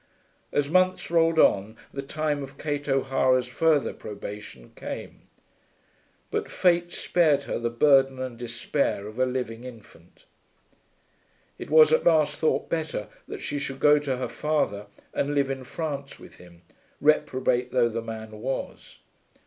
As months rolled on the time of Kate O'Hara's further probation came, but Fate spared her the burden and despair of a living infant. It was at last thought better that she should go to her father and live in France with him, reprobate though the man was.